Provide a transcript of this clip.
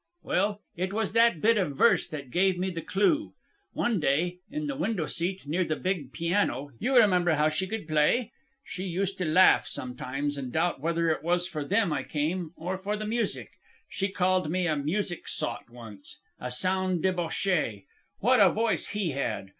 Well, it was that bit of verse that gave me the clue. One day, in the window seat near the big piano you remember how she could play? She used to laugh, sometimes, and doubt whether it was for them I came, or for the music. She called me a 'music sot' once, a 'sound debauchee.' What a voice he had!